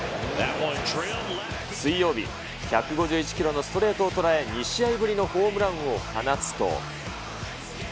水曜日、１５１キロのストレートを捉え、２試合ぶりのホームランを放つと。